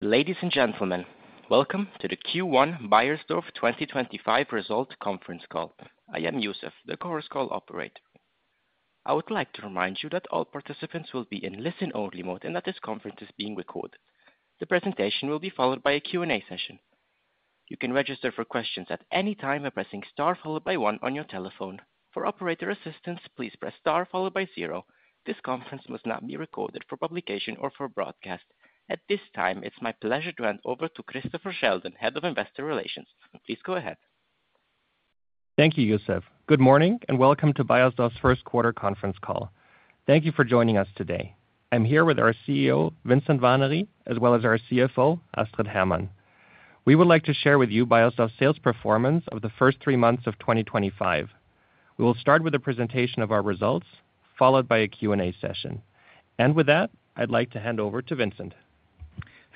Ladies and gentlemen, welcome to the Q1 Beiersdorf 2025 Result Conference Call. I am Yousef, the Chorus Call operator. I would like to remind you that all participants will be in listen-only mode and that this conference is being recorded. The presentation will be followed by a Q&A session. You can register for questions at any time by pressing star followed by 1 on your telephone. For operator assistance, please press star followed by 0. This conference must not be recorded for publication or for broadcast. At this time, it's my pleasure to hand over to Christopher Sheldon, Head of Investor Relations. Please go ahead. Thank you, Yousef. Good morning and welcome to Beiersdorf's first quarter conference call. Thank you for joining us today. I'm here with our CEO, Vincent Warnery, as well as our CFO, Astrid Hermann. We would like to share with you Beiersdorf's sales performance of the first three months of 2025. We will start with a presentation of our results, followed by a Q&A session. With that, I'd like to hand over to Vincent.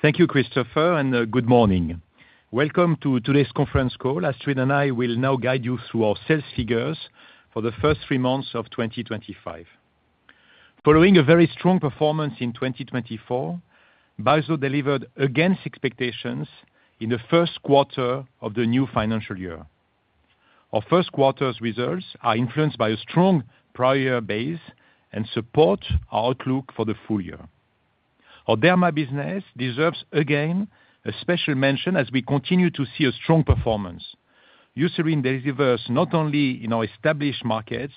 Thank you, Christopher, and good morning. Welcome to today's conference call. Astrid and I will now guide you through our sales figures for the first three months of 2025. Following a very strong performance in 2024, Beiersdorf delivered against expectations in the first quarter of the new financial year. Our first quarter's results are influenced by a strong prior base and support our outlook for the full year. Our derma business deserves again a special mention as we continue to see a strong performance. Beiersdorf invests not only in our established markets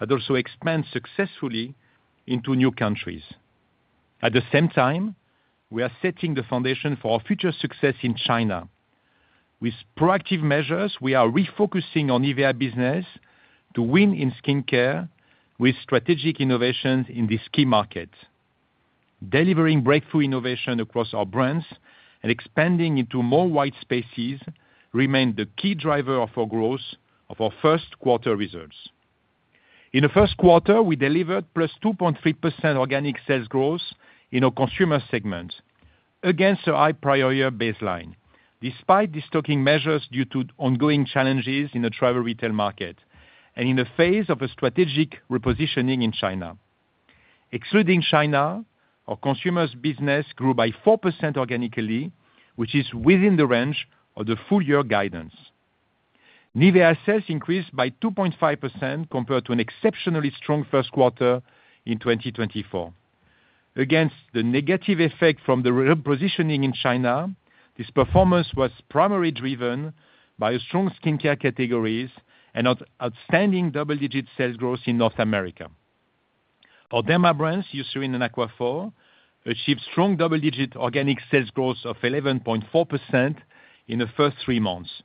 but also expands successfully into new countries. At the same time, we are setting the foundation for our future success in China. With proactive measures, we are refocusing on NIVEA business to win in skincare with strategic innovations in the skin market. Delivering breakthrough innovation across our brands and expanding into more white spaces remains the key driver of our growth of our first quarter results. In the first quarter, we delivered +2.3% organic sales growth in our consumer segment against a high prior year baseline, despite destocking measures due to ongoing challenges in the travel retail market and in the face of a strategic repositioning in China. Excluding China, our consumer business grew by 4% organically, which is within the range of the full year guidance. NIVEA sales increased by 2.5% compared to an exceptionally strong first quarter in 2024. Against the negative effect from the repositioning in China, this performance was primarily driven by strong skincare categories and outstanding double-digit sales growth in North America. Our Derma brands, Eucerin and Aquaphor, achieved strong double-digit organic sales growth of 11.4% in the first three months,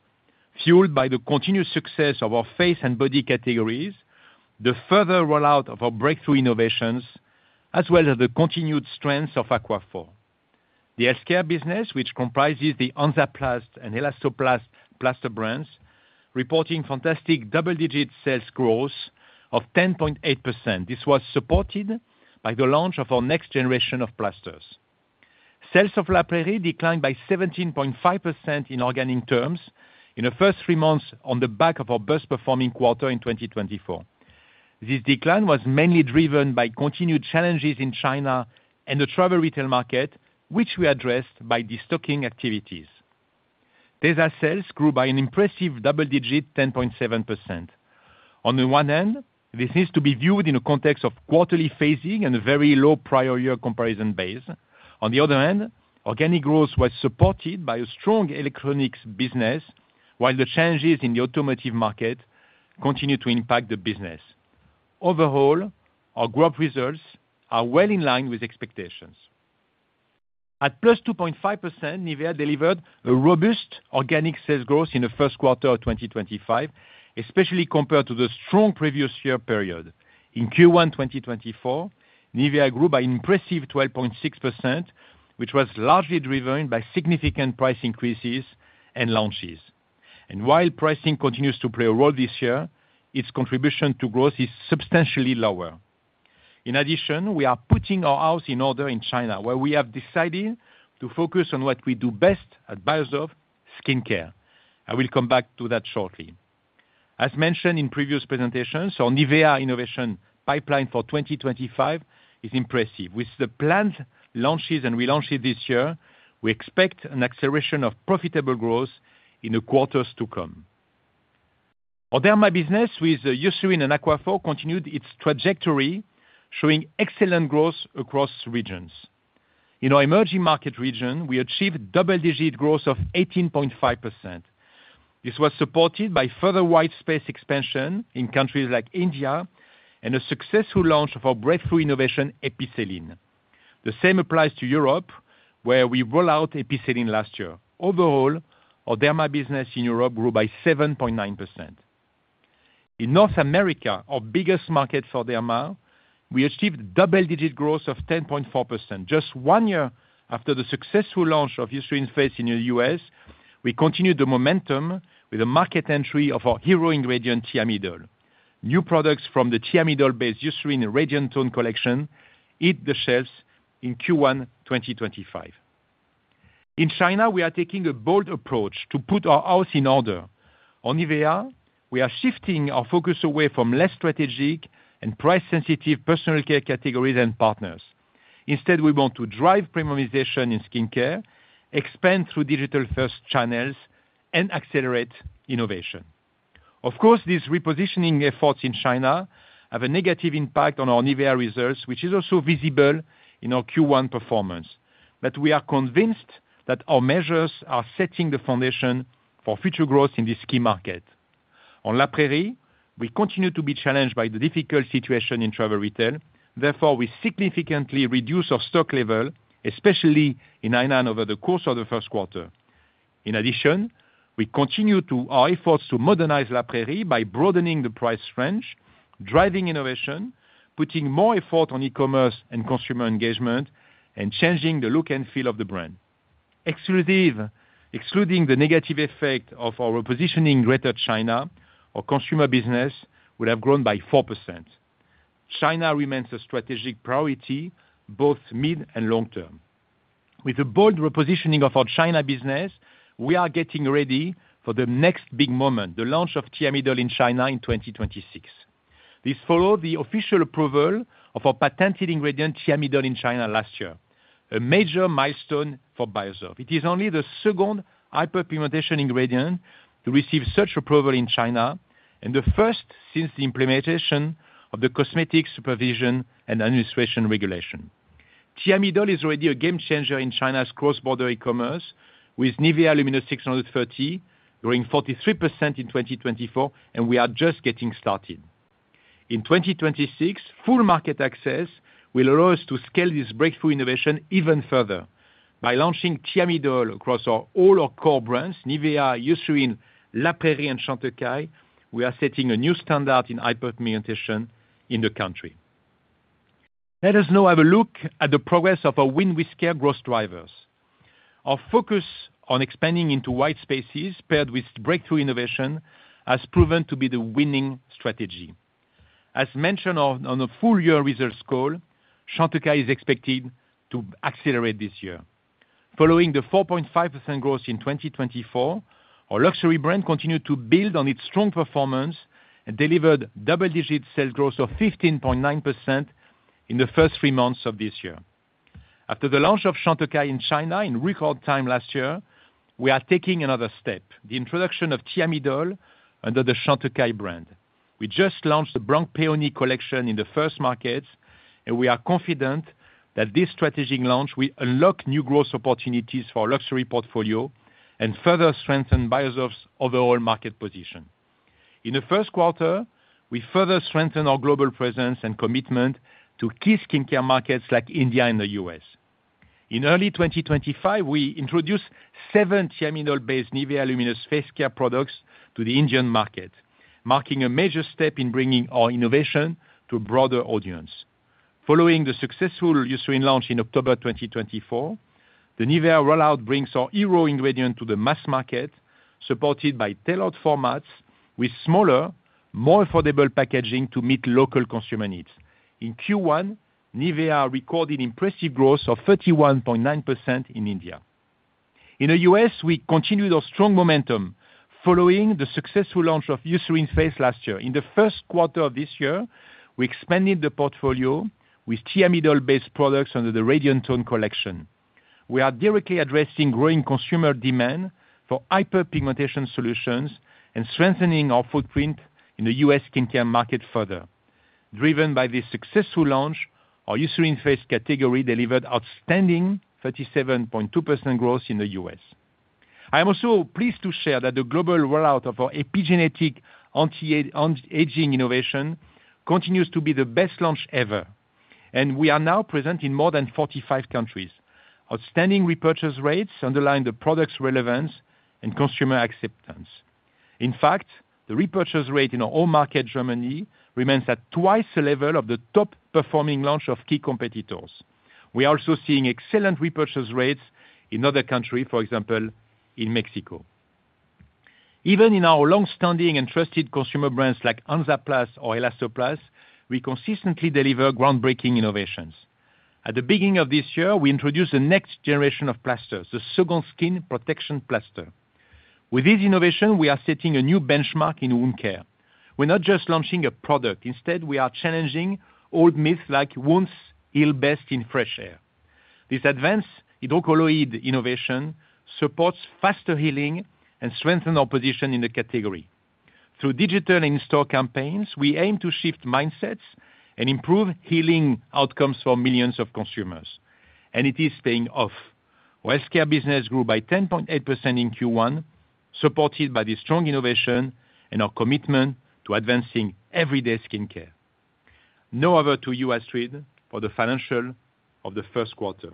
fueled by the continued success of our face and body categories, the further rollout of our breakthrough innovations, as well as the continued strength of Aquaphor. The healthcare business, which comprises the Hansaplast and Elastoplast plaster brands, reported fantastic double-digit sales growth of 10.8%. This was supported by the launch of our next generation of plasters. Sales of La Prairie declined by 17.5% in organic terms in the first three months on the back of our best-performing quarter in 2024. This decline was mainly driven by continued challenges in China and the travel retail market, which we addressed by destocking activities. These sales grew by an impressive double-digit 10.7%. On the one hand, this needs to be viewed in the context of quarterly phasing and a very low prior year comparison base. On the other hand, organic growth was supported by a strong electronics business, while the changes in the automotive market continue to impact the business. Overall, our growth results are well in line with expectations. At plus 2.5%, NIVEA delivered a robust organic sales growth in the first quarter of 2025, especially compared to the strong previous year period. In Q1 2024, NIVEA grew by an impressive 12.6%, which was largely driven by significant price increases and launches. While pricing continues to play a role this year, its contribution to growth is substantially lower. In addition, we are putting our house in order in China, where we have decided to focus on what we do best at Beiersdorf, skincare. I will come back to that shortly. As mentioned in previous presentations, our NIVEA innovation pipeline for 2025 is impressive. With the planned launches and relaunches this year, we expect an acceleration of profitable growth in the quarters to come. Our Derma business, with Eucerin and Aquaphor, continued its trajectory, showing excellent growth across regions. In our emerging market region, we achieved double-digit growth of 18.5%. This was supported by further wide space expansion in countries like India and a successful launch of our breakthrough innovation, Epicelline. The same applies to Europe, where we rolled out Epicelline last year. Overall, our derma business in Europe grew by 7.9%. In North America, our biggest market for derma, we achieved double-digit growth of 10.4%. Just one year after the successful launch of Eucerin's face in the U.S., we continued the momentum with the market entry of our hero ingredient, Thiamidol. New products from the Thiamidol-based Radiant Tone collection hit the shelves in Q1 2025. In China, we are taking a bold approach to put our house in order. On NIVEA, we are shifting our focus away from less strategic and price-sensitive personal care categories and partners. Instead, we want to drive premiumization in skincare, expand through digital-first channels, and accelerate innovation. Of course, these repositioning efforts in China have a negative impact on our NIVEA results, which is also visible in our Q1 performance. We are convinced that our measures are setting the foundation for future growth in the skin market. On La Prairie, we continue to be challenged by the difficult situation in travel retail. Therefore, we significantly reduce our stock level, especially in Hainan over the course of the first quarter. In addition, we continue our efforts to modernize La Prairie by broadening the price range, driving innovation, putting more effort on e-commerce and consumer engagement, and changing the look and feel of the brand. Excluding the negative effect of our repositioning in Greater China, our consumer business will have grown by 4%. China remains a strategic priority both mid and long term. With the bold repositioning of our China business, we are getting ready for the next big moment, the launch of Thiamidol in China in 2026. This followed the official approval of our patented ingredient, Thiamidol, in China last year, a major milestone for Beiersdorf. It is only the second hyperpigmentation ingredient to receive such approval in China and the first since the implementation of the Cosmetic Supervision and Administration Regulation. Thiamidol is already a game changer in China's cross-border e-commerce with NIVEA Luminous 630, growing 43% in 2024, and we are just getting started. In 2026, full market access will allow us to scale this breakthrough innovation even further. By launching Thiamidol across all our core brands, NIVEA, La Prairie, and Chantecaille, we are setting a new standard in hyperpigmentation in the country. Let us now have a look at the progress of our win-with-care growth drivers. Our focus on expanding into white spaces, paired with breakthrough innovation, has proven to be the winning strategy. As mentioned on the full-year results call, Chantecaille is expected to accelerate this year. Following the 4.5% growth in 2024, our luxury brand continued to build on its strong performance and delivered double-digit sales growth of 15.9% in the first three months of this year. After the launch of Chantecaille in China in record time last year, we are taking another step, the introduction of Thiamidol under the Chantecaille brand. We just launched the Blanc Peony collection in the first markets, and we are confident that this strategic launch will unlock new growth opportunities for our luxury portfolio and further strengthen Beiersdorf's overall market position. In the first quarter, we further strengthen our global presence and commitment to key skincare markets like India and the U.S. In early 2025, we introduced seven Thiamidol-based NIVEA Luminous face care products to the Indian market, marking a major step in bringing our innovation to a broader audience. Following the successful Eucerin launch in October 2024, the NIVEA rollout brings our hero ingredient to the mass market, supported by tailored formats with smaller, more affordable packaging to meet local consumer needs. In Q1, NIVEA recorded impressive growth of 31.9% in India. In the U.S., we continued our strong momentum following the successful launch of Eucerin's face last year. In the first quarter of this year, we expanded the portfolio with Thiamidol-based products under the Radiant Tone collection. We are directly addressing growing consumer demand for hyperpigmentation solutions and strengthening our footprint in the U.S. skincare market further. Driven by this successful launch, our Eucerin's face category delivered outstanding 37.2% growth in the U.S. I am also pleased to share that the global rollout of our epigenetic anti-aging innovation continues to be the best launch ever, and we are now present in more than 45 countries. Outstanding repurchase rates underline the product's relevance and consumer acceptance. In fact, the repurchase rate in our own market, Germany, remains at twice the level of the top-performing launch of key competitors. We are also seeing excellent repurchase rates in other countries, for example, in Mexico. Even in our long-standing and trusted consumer brands like Hansaplast or Elastoplast, we consistently deliver groundbreaking innovations. At the beginning of this year, we introduced the next generation of plasters, the Second Skin Protection Plaster. With this innovation, we are setting a new benchmark in wound care. We're not just launching a product; instead, we are challenging old myths like wounds heal best in fresh air. This advanced hydrocolloid innovation supports faster healing and strengthens our position in the category. Through digital and in-store campaigns, we aim to shift mindsets and improve healing outcomes for millions of consumers. It is paying off. Our healthcare business grew by 10.8% in Q1, supported by the strong innovation and our commitment to advancing everyday skincare. Now over to you, Astrid, for the financials of the first quarter.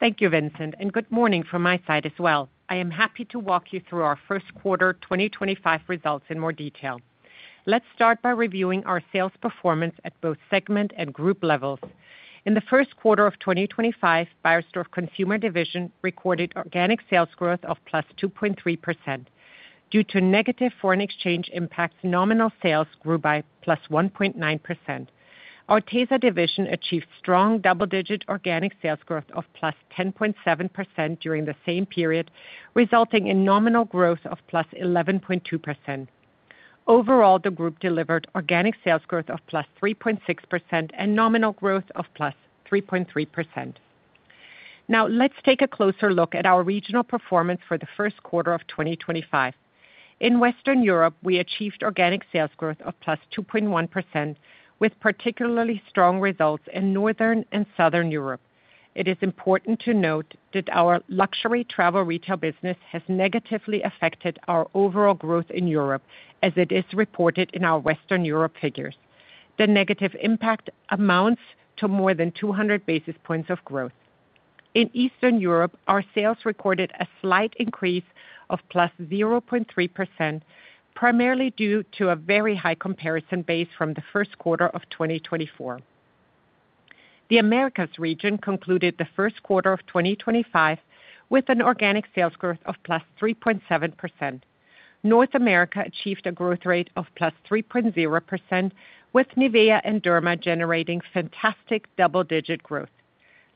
Thank you, Vincent, and good morning from my side as well. I am happy to walk you through our first quarter 2025 results in more detail. Let's start by reviewing our sales performance at both segment and group levels. In the first quarter of 2025, Beiersdorf Consumer Division recorded organic sales growth of +2.3%. Due to negative foreign exchange impacts, nominal sales grew by +1.9%. Our Tesa Division achieved strong double-digit organic sales growth of +10.7% during the same period, resulting in nominal growth of +11.2%. Overall, the group delivered organic sales growth of +3.6% and nominal growth of +3.3%. Now, let's take a closer look at our regional performance for the first quarter of 2025. In Western Europe, we achieved organic sales growth of +2.1%, with particularly strong results in Northern and Southern Europe. It is important to note that our luxury travel retail business has negatively affected our overall growth in Europe, as it is reported in our Western Europe figures. The negative impact amounts to more than 200 basis points of growth. In Eastern Europe, our sales recorded a slight increase of +0.3%, primarily due to a very high comparison base from the first quarter of 2024. The Americas region concluded the first quarter of 2025 with an organic sales growth of +3.7%. North America achieved a growth rate of +3.0%, with NIVEA and Derma generating fantastic double-digit growth.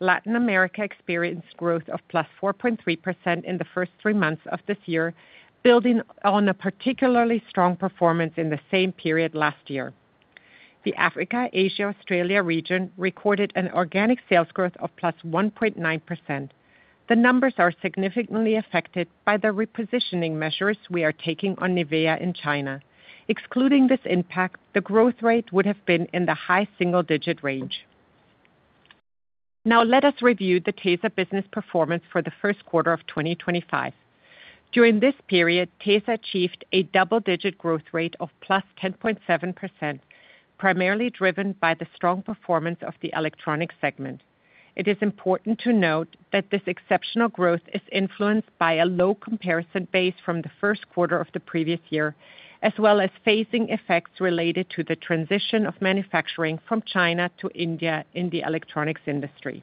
Latin America experienced growth of +4.3% in the first three months of this year, building on a particularly strong performance in the same period last year. The Africa, Asia, and Australia region recorded an organic sales growth of +1.9%. The numbers are significantly affected by the repositioning measures we are taking on NIVEA in China. Excluding this impact, the growth rate would have been in the high single-digit range. Now, let us review the Tesa business performance for the first quarter of 2025. During this period, Tesa achieved a double-digit growth rate of +10.7%, primarily driven by the strong performance of the electronics segment. It is important to note that this exceptional growth is influenced by a low comparison base from the first quarter of the previous year, as well as phasing effects related to the transition of manufacturing from China to India in the electronics industry.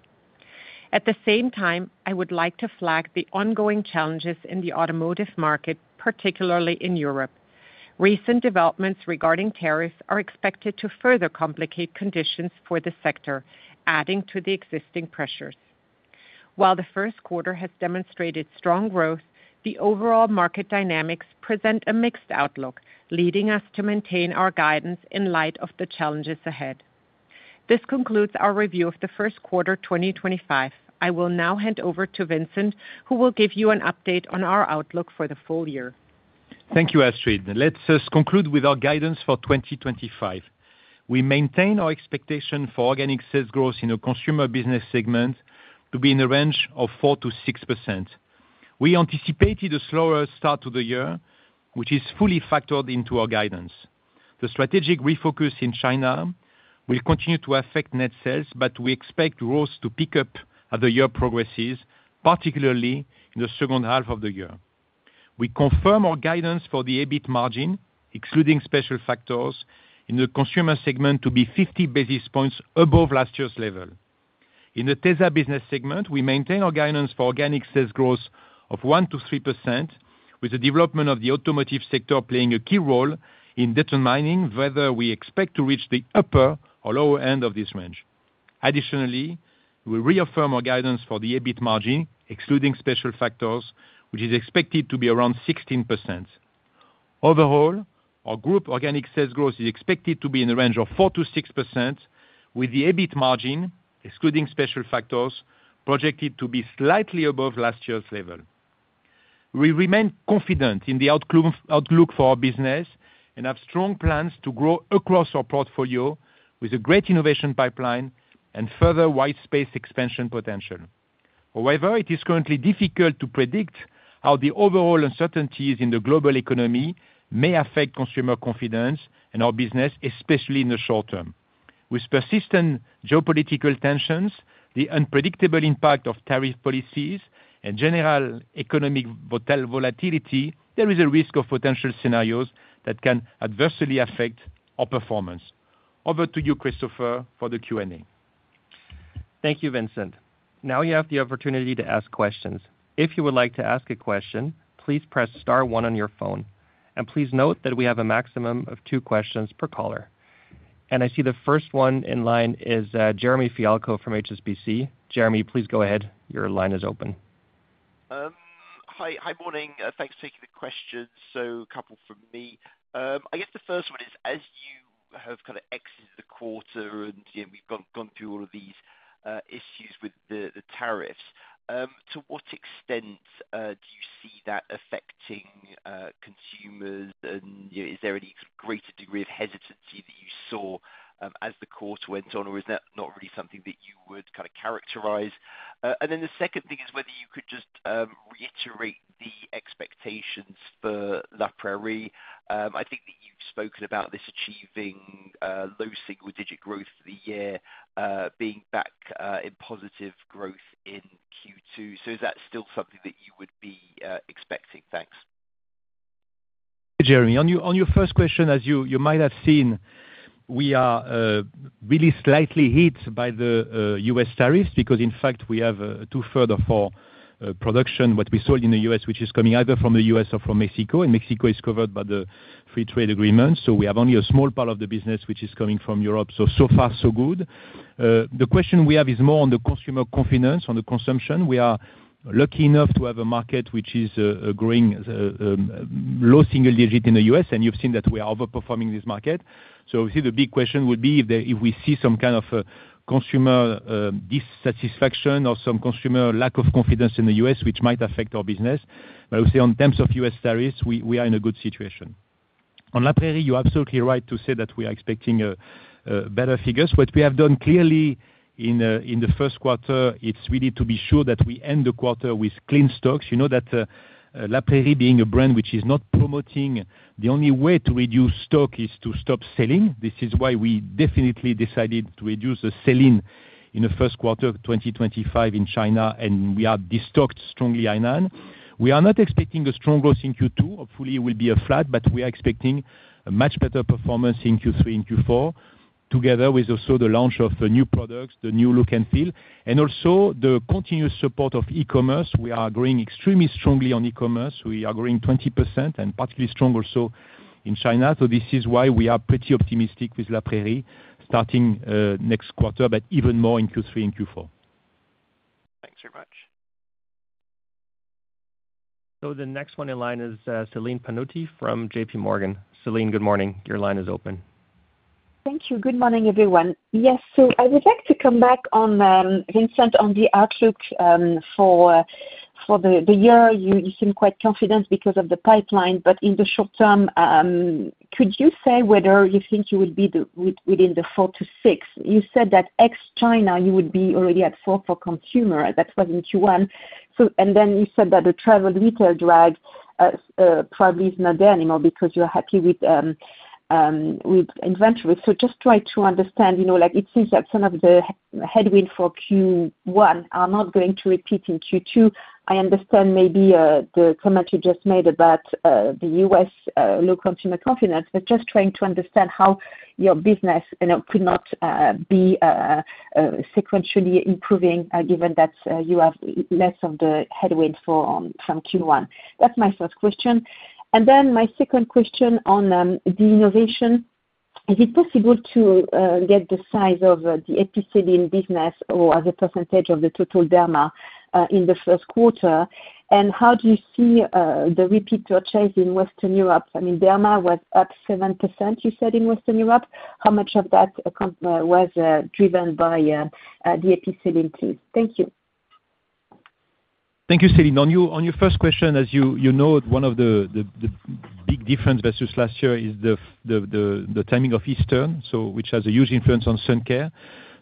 At the same time, I would like to flag the ongoing challenges in the automotive market, particularly in Europe. Recent developments regarding tariffs are expected to further complicate conditions for the sector, adding to the existing pressures. While the first quarter has demonstrated strong growth, the overall market dynamics present a mixed outlook, leading us to maintain our guidance in light of the challenges ahead. This concludes our review of the first quarter 2025. I will now hand over to Vincent, who will give you an update on our outlook for the full year. Thank you, Astrid. Let's conclude with our guidance for 2025. We maintain our expectation for organic sales growth in the consumer business segment to be in the range of 4%-6%. We anticipated a slower start to the year, which is fully factored into our guidance. The strategic refocus in China will continue to affect net sales, but we expect growth to pick up as the year progresses, particularly in the second half of the year. We confirm our guidance for the EBIT margin, excluding special factors in the Consumer segment, to be 50 basis points above last year's level. In the Tesa business segment, we maintain our guidance for organic sales growth of 1%-3%, with the development of the automotive sector playing a key role in determining whether we expect to reach the upper or lower end of this range. Additionally, we reaffirm our guidance for the EBIT margin, excluding special factors, which is expected to be around 16%. Overall, our group organic sales growth is expected to be in the range of 4%-6%, with the EBIT margin, excluding special factors, projected to be slightly above last year's level. We remain confident in the outlook for our business and have strong plans to grow across our portfolio with a great innovation pipeline and further white space expansion potential. However, it is currently difficult to predict how the overall uncertainties in the global economy may affect consumer confidence and our business, especially in the short term. With persistent geopolitical tensions, the unpredictable impact of tariff policies, and general economic volatility, there is a risk of potential scenarios that can adversely affect our performance. Over to you, Christopher, for the Q&A. Thank you, Vincent. Now you have the opportunity to ask questions. If you would like to ask a question, please press star one on your phone. Please note that we have a maximum of two questions per caller. I see the first one in line is Jeremy Fialko from HSBC. Jeremy, please go ahead. Your line is open. Hi, morning. Thanks for taking the question. A couple from me. I guess the first one is, as you have kind of exited the quarter and we've gone through all of these issues with the tariffs, to what extent do you see that affecting consumers? Is there any greater degree of hesitancy that you saw as the quarter went on? Is that not really something that you would kind of characterize? The second thing is whether you could just reiterate the expectations for La Prairie. I think that you've spoken about this achieving low single-digit growth for the year, being back in positive growth in Q2. Is that still something that you would be expecting? Thanks. Jeremy, on your first question, as you might have seen, we are really slightly hit by the US tariffs because, in fact, we have two-thirds of our production, what we sold in the U.S., which is coming either from the U.S. or from Mexico. Mexico is covered by the free trade agreement, so we have only a small part of the business which is coming from Europe. So far, so good. The question we have is more on the consumer confidence, on the consumption. We are lucky enough to have a market which is growing low single-digit in the US, and you've seen that we are overperforming this market. Obviously, the big question would be if we see some kind of consumer dissatisfaction or some consumer lack of confidence in the U.S., which might affect our business. I would say, in terms of US tariffs, we are in a good situation. On La Prairie, you're absolutely right to say that we are expecting better figures. What we have done clearly in the first quarter is really to be sure that we end the quarter with clean stocks. You know that La Prairie, being a brand which is not promoting, the only way to reduce stock is to stop selling. This is why we definitely decided to reduce the selling in the first quarter of 2025 in China, and we are destocked strongly. We are not expecting a strong growth in Q2. Hopefully, it will be flat, but we are expecting a much better performance in Q3 and Q4, together with also the launch of new products, the new look and feel, and also the continuous support of e-commerce. We are growing extremely strongly on e-commerce. We are growing 20% and particularly strong also in China. This is why we are pretty optimistic with La Prairie starting next quarter, but even more in Q3 and Q4. Thanks very much. The next one in line is Celine Pannuti from JP Morgan. Celine, good morning. Your line is open. Thank you. Good morning, everyone. Yes, I would like to come back on, Vincent, on the outlook for the year. You seem quite confident because of the pipeline, but in the short term, could you say whether you think you would be within the 4-6? You said that ex-China, you would be already at 4 for consumer. That was in Q1. You said that the travel retail drag probably is not there anymore because you are happy with inventory. Just try to understand. It seems that some of the headwinds for Q1 are not going to repeat in Q2. I understand maybe the comment you just made about the U.S. low consumer confidence, but just trying to understand how your business could not be sequentially improving given that you have less of the headwinds from Q1. That's my first question. My second question on the innovation. Is it possible to get the size of the Eucerin business or the percentage of the total Derma in the first quarter? How do you see the repeat purchase in Western Europe? I mean, Derma was up 7% in Western Europe. How much of that was driven by the Eucerin, please? Thank you. Thank you, Celine. On your first question, as you know, one of the big differences versus last year is the timing of Easter, which has a huge influence on sun care.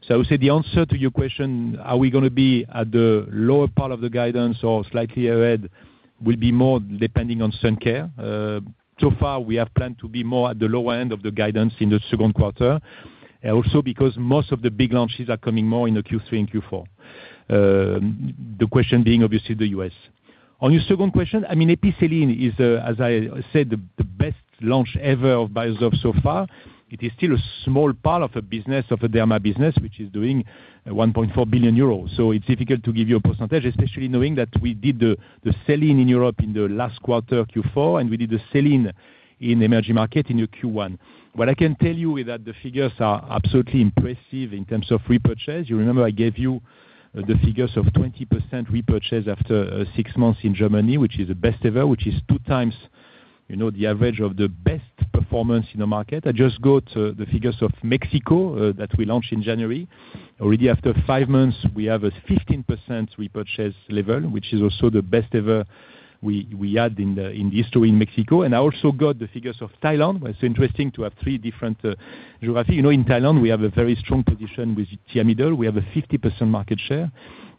I would say the answer to your question, are we going to be at the lower part of the guidance or slightly ahead, will be more depending on sun care. So far, we have planned to be more at the lower end of the guidance in the second quarter, also because most of the big launches are coming more in Q3 and Q4, the question being obviously the U.S. On your second question, I mean, Epicelline is, as I said, the best launch ever of Beiersdorf so far. It is still a small part of a business, of a Derma business, which is doing 1.4 billion euros. It's difficult to give you a percentage, especially knowing that we did the selling in Europe in the last quarter, Q4, and we did the selling in the emerging market in Q1. What I can tell you is that the figures are absolutely impressive in terms of repurchase. You remember I gave you the figures of 20% repurchase after six months in Germany, which is the best ever, which is two times the average of the best performance in the market. I just got the figures of Mexico that we launched in January. Already after five months, we have a 15% repurchase level, which is also the best ever we had in the history in Mexico. I also got the figures of Thailand. It's interesting to have three different geographies. In Thailand, we have a very strong position with Thiamidol. We have a 50% market share.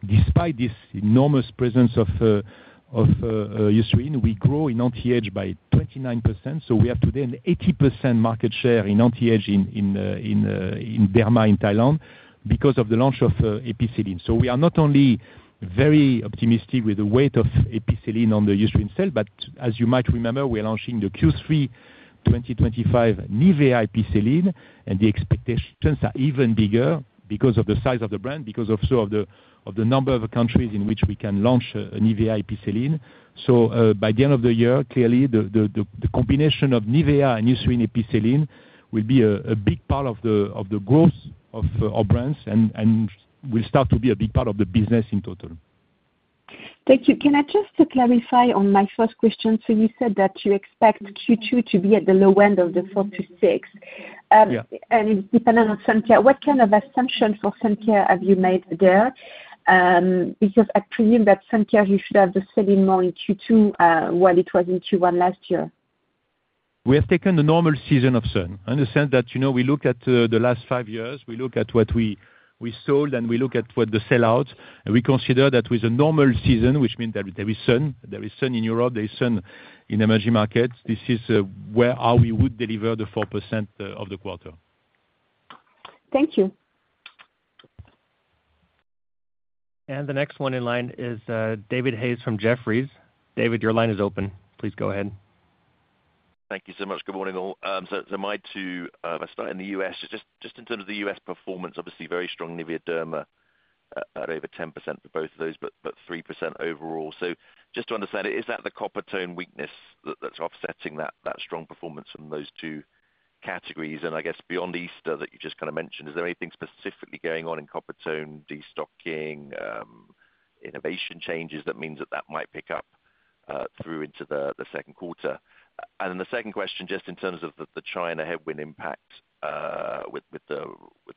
Despite this enormous presence of Eucerin, we grow in anti-age by 29%. We have today an 80% market share in anti-age in Derma in Thailand because of the launch of Epicelline. We are not only very optimistic with the weight of Epicelline on the Eucerin sale, but as you might remember, we are launching in Q3 2025 NIVEA Epicelline, and the expectations are even bigger because of the size of the brand, because also of the number of countries in which we can launch NIVEA Epicelline. By the end of the year, clearly, the combination of NIVEA and Eucerin Epicelline will be a big part of the growth of our brands and will start to be a big part of the business in total. Thank you. Can I just clarify on my first question? You said that you expect Q2 to be at the low end of the 4-6%, and it is dependent on sun care. What kind of assumption for sun care have you made there? Because I presume that sun care should have the selling more in Q2 while it was in Q1 last year. We have taken the normal season of sun in the sense that we look at the last five years, we look at what we sold, and we look at what the sell-outs. We consider that with a normal season, which means there is sun, there is sun in Europe, there is sun in emerging markets, this is where we would deliver the 4% of the quarter. Thank you. The next one in line is David Hayes from Jefferies. David, your line is open. Please go ahead. Thank you so much. Good morning, all. My two, I start in the U.S. Just in terms of the U.S. performance, obviously very strong NIVEA, Derma at over 10% for both of those, but 3% overall. Just to understand, is that the Coppertone weakness that's offsetting that strong performance from those two categories? I guess beyond Easter that you just kind of mentioned, is there anything specifically going on in Coppertone, destocking, innovation changes that means that that might pick up through into the second quarter? The second question, just in terms of the China headwind impact with the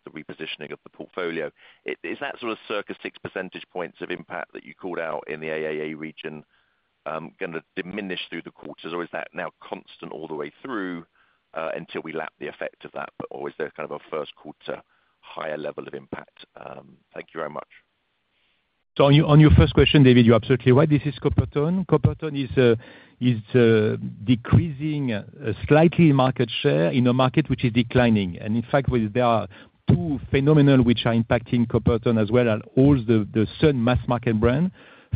repositioning of the portfolio, is that sort of circa 6 percentage points of impact that you called out in the AAA Region going to diminish through the quarters, or is that now constant all the way through until we lap the effect of that? Is there kind of a first quarter higher level of impact? Thank you very much. On your first question, David, you're absolutely right. This is Coppertone. Coppertone is decreasing slightly in market share in a market which is declining. In fact, there are two phenomenon which are impacting Coppertone as well as all the sun mass-market brand.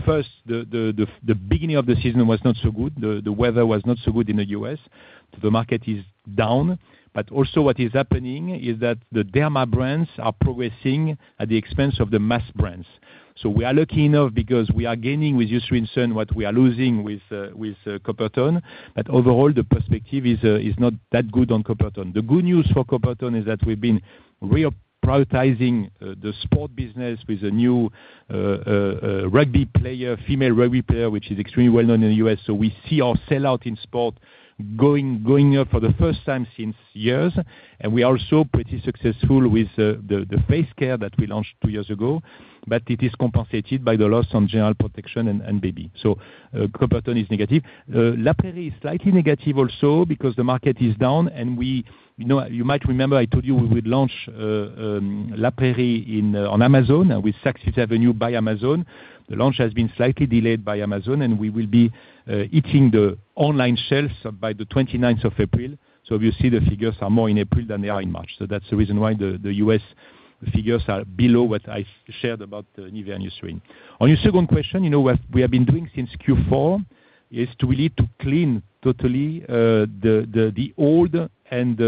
First, the beginning of the season was not so good. The weather was not so good in the U.S. The market is down. Also, what is happening is that the Derma brands are progressing at the expense of the mass brands. We are lucky enough because we are gaining with Eucerin Sun what we are losing with Coppertone. Overall, the perspective is not that good on Coppertone. The good news for Coppertone is that we've been re-prioritizing the sport business with a new rugby player, female rugby player, which is extremely well-known in the U.S. We see our sell-out in sport going up for the first time since years. We are also pretty successful with the face care that we launched two years ago, but it is compensated by the loss on general protection and baby. Coppertone is negative. La Prairie is slightly negative also because the market is down. You might remember I told you we would launch La Prairie on Amazon with Saks Fifth Avenue by Amazon. The launch has been slightly delayed by Amazon, and we will be hitting the online shelves by the 29th of April. You see the figures are more in April than they are in March. That is the reason why the U.S. figures are below what I shared about NIVEA and Eucerin. On your second question, what we have been doing since Q4 is to really clean totally the old and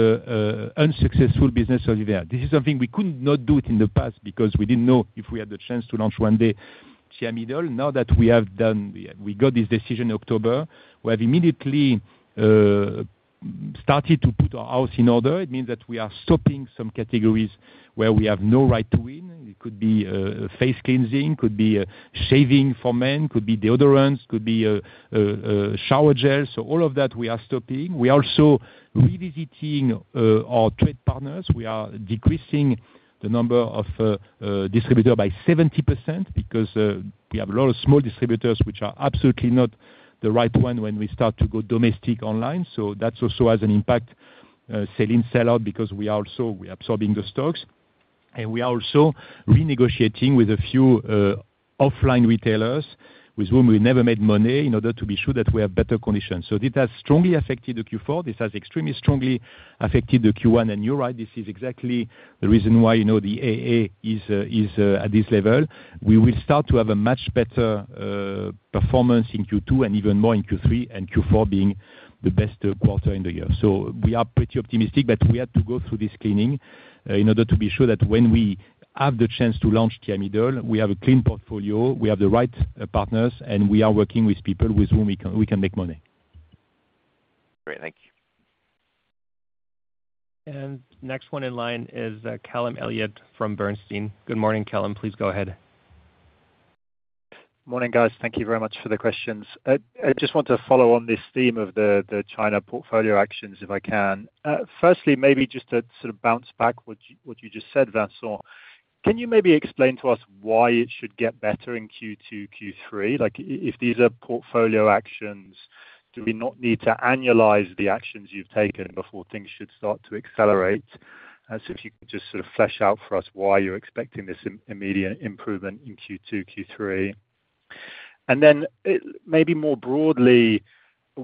unsuccessful business of NIVEA. This is something we could not do in the past because we did not know if we had the chance to launch one day Thiamidol. Now that we have done, we got this decision in October, we have immediately started to put our house in order. It means that we are stopping some categories where we have no right to win. It could be face cleansing, could be shaving for men, could be deodorants, could be shower gels. All of that we are stopping. We are also revisiting our trade partners. We are decreasing the number of distributors by 70% because we have a lot of small distributors which are absolutely not the right one when we start to go domestic online. That also has an impact, selling sell-out because we are also absorbing the stocks. We are also renegotiating with a few offline retailers with whom we never made money in order to be sure that we have better conditions. This has strongly affected the Q4. This has extremely strongly affected the Q1. You are right. This is exactly the reason why the AA is at this level. We will start to have a much better performance in Q2 and even more in Q3 and Q4 being the best quarter in the year. We are pretty optimistic, but we have to go through this cleaning in order to be sure that when we have the chance to launch Thiamidol, we have a clean portfolio, we have the right partners, and we are working with people with whom we can make money. Great. Thank you. Next one in line is Callum Elliott from Bernstein. Good morning, Callum. Please go ahead. Morning, guys. Thank you very much for the questions. I just want to follow on this theme of the China portfolio actions if I can. Firstly, maybe just to sort of bounce back what you just said, Vincent, can you maybe explain to us why it should get better in Q2, Q3? If these are portfolio actions, do we not need to annualize the actions you have taken before things should start to accelerate? If you could just sort of flesh out for us why you're expecting this immediate improvement in Q2, Q3. Maybe more broadly,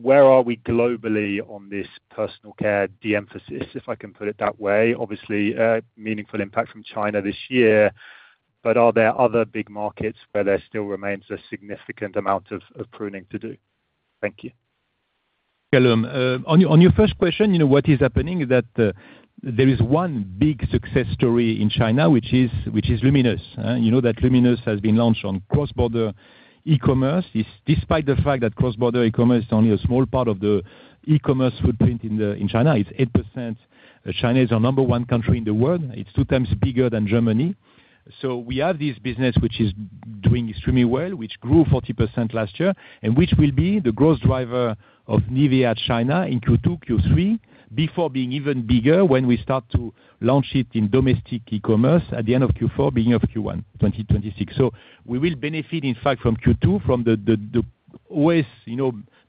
where are we globally on this personal care de-emphasis, if I can put it that way? Obviously, meaningful impact from China this year, but are there other big markets where there still remains a significant amount of pruning to do? Thank you. Callum, on your first question, what is happening is that there is one big success story in China, which is Luminous. You know that Luminous has been launched on cross-border e-commerce. Despite the fact that cross-border e-commerce is only a small part of the e-commerce footprint in China, it's 8%. China is our number one country in the world. It's two times bigger than Germany. We have this business which is doing extremely well, which grew 40% last year and which will be the growth driver of NIVEA China in Q2, Q3 before being even bigger when we start to launch it in domestic e-commerce at the end of Q4, beginning of Q1 2026. We will benefit, in fact, from Q2, from the always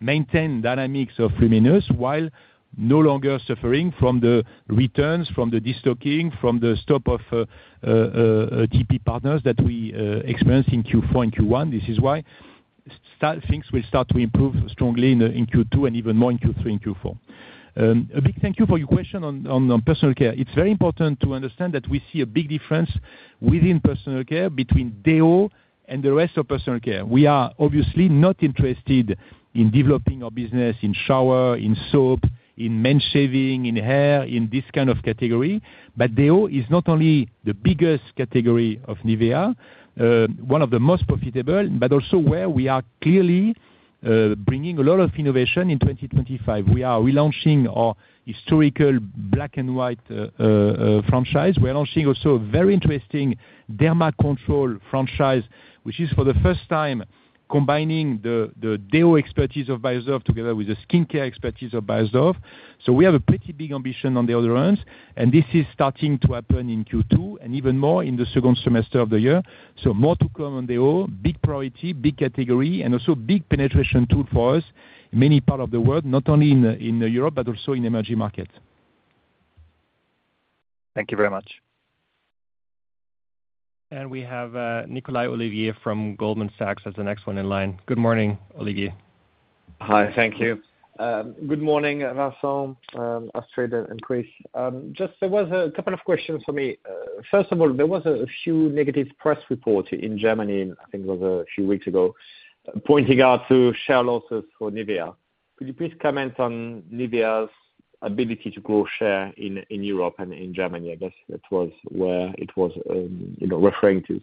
maintained dynamics of Luminous while no longer suffering from the returns, from the destocking, from the stop of TP partners that we experienced in Q4 and Q1. This is why things will start to improve strongly in Q2 and even more in Q3 and Q4. A big thank you for your question on personal care. It's very important to understand that we see a big difference within personal care between DEO and the rest of personal care. We are obviously not interested in developing our business in shower, in soap, in men's shaving, in hair, in this kind of category. DEO is not only the biggest category of NIVEA, one of the most profitable, but also where we are clearly bringing a lot of innovation in 2025. We are relaunching our historical Black and White franchise. We are launching also a very interesting Derma Control franchise, which is for the first time combining the DEO expertise of Beiersdorf together with the skincare expertise of Beiersdorf. We have a pretty big ambition on the other end, and this is starting to happen in Q2 and even more in the second semester of the year. More to come on DEO, big priority, big category, and also big penetration tool for us in many parts of the world, not only in Europe, but also in emerging markets. Thank you very much. We have Nicolai Olivier from Goldman Sachs as the next one in line. Good morning, Olivier. Hi, thank you. Good morning, Vincent, Astrid, and Chris. Just there was a couple of questions for me. First of all, there was a few negative press reports in Germany, I think it was a few weeks ago, pointing out to share losses for NIVEA. Could you please comment on NIVEA's ability to grow share in Europe and in Germany? I guess that was where it was referring to.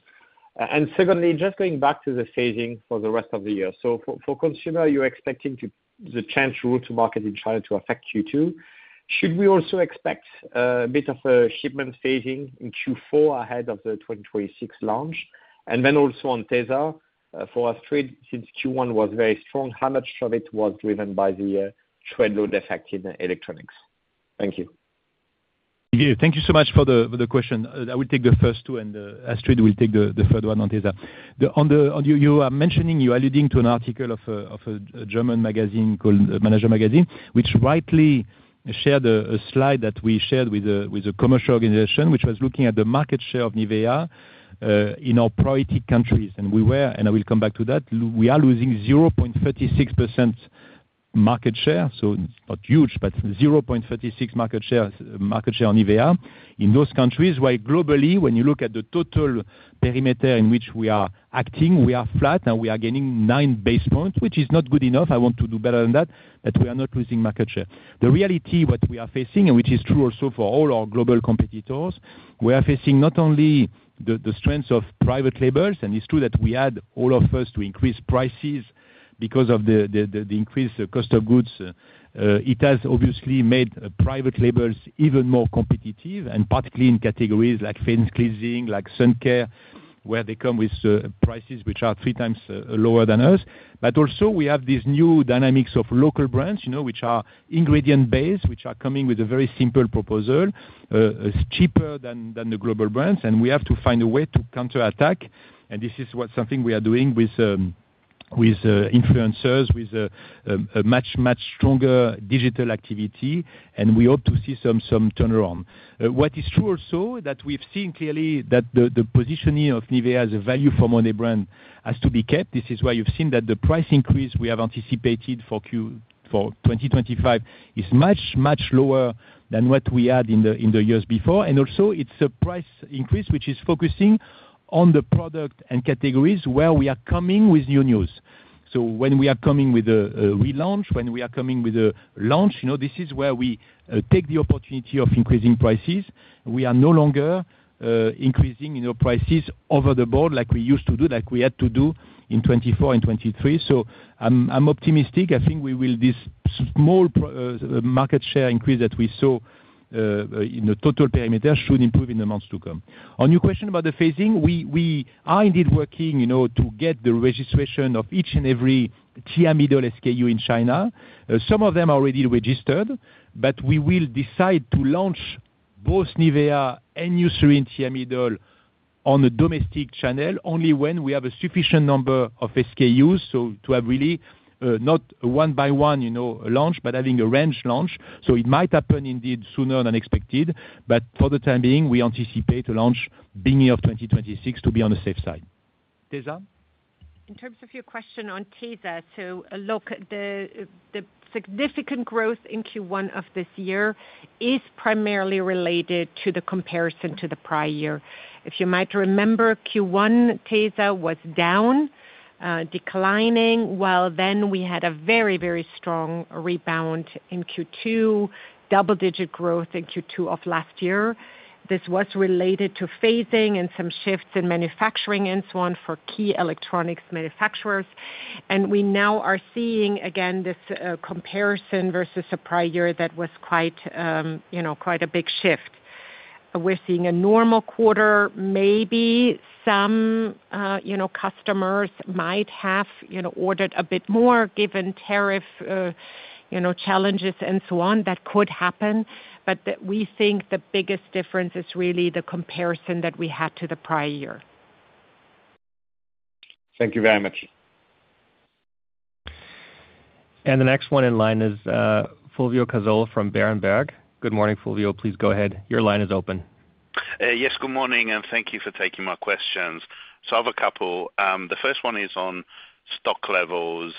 Secondly, just going back to the phasing for the rest of the year. For consumer, you're expecting the change rule to market in China to affect Q2. Should we also expect a bit of a shipment phasing in Q4 ahead of the 2026 launch? Then also on Tesa, for Astrid, since Q1 was very strong, how much of it was driven by the trade load effect in electronics? Thank you. Thank you so much for the question. I will take the first two, and Astrid will take the third one on Tesa. You are mentioning, you are alluding to an article of a German magazine called Manager Magazin, which rightly shared a slide that we shared with a commercial organization, which was looking at the market share of NIVEA in our priority countries. I will come back to that. We are losing 0.36% market share. It is not huge, but 0.36% market share on NIVEA in those countries, while globally, when you look at the total perimeter in which we are acting, we are flat, and we are gaining nine basis points, which is not good enough. I want to do better than that, but we are not losing market share. The reality what we are facing, which is true also for all our global competitors, we are facing not only the strengths of private labels, and it is true that we had all of us to increase prices because of the increased cost of goods. It has obviously made private labels even more competitive, particularly in categories like face cleansing, like sun care, where they come with prices which are three times lower than us. We also have these new dynamics of local brands, which are ingredient-based, which are coming with a very simple proposal, cheaper than the global brands, and we have to find a way to counterattack. This is something we are doing with influencers, with much, much stronger digital activity, and we hope to see some turnaround. What is true also is that we've seen clearly that the positioning of NIVEA as a value for money brand has to be kept. This is why you've seen that the price increase we have anticipated for 2025 is much, much lower than what we had in the years before. It is also a price increase which is focusing on the product and categories where we are coming with new news. When we are coming with a relaunch, when we are coming with a launch, this is where we take the opportunity of increasing prices. We are no longer increasing prices over the board like we used to do, like we had to do in 2024 and 2023. I am optimistic. I think we will see this small market share increase that we saw in the total perimeter should improve in the months to come. On your question about the phasing, we are indeed working to get the registration of each and every Thiamidol SKU in China. Some of them are already registered, but we will decide to launch both NIVEA and Eucerin Thiamidol on a domestic channel only when we have a sufficient number of SKUs. To have really not one-by-one launch, but having a range launch. It might happen indeed sooner than expected, but for the time being, we anticipate a launch beginning of 2026 to be on the safe side. Tesa? In terms of your question on Tesa, look, the significant growth in Q1 of this year is primarily related to the comparison to the prior year. If you might remember, Q1 Tesa was down, declining, while then we had a very, very strong rebound in Q2, double-digit growth in Q2 of last year. This was related to phasing and some shifts in manufacturing and so on for key electronics manufacturers. We now are seeing again this comparison versus a prior year that was quite a big shift. We're seeing a normal quarter. Maybe some customers might have ordered a bit more given tariff challenges and so on that could happen. We think the biggest difference is really the comparison that we had to the prior year. Thank you very much. The next one in line is Fulvio Cazzol from Berenberg. Good morning, Fulvio. Please go ahead. Your line is open. Yes, good morning, and thank you for taking my questions. I have a couple. The first one is on stock levels,